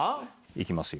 いきますよ。